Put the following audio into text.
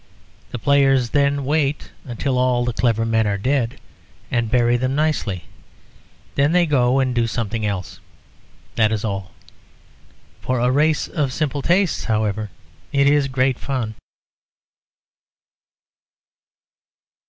The players then wait until all the clever men are dead, and bury them nicely. They then go and do something else. That is all. For a race of simple tastes, however, it is great fun.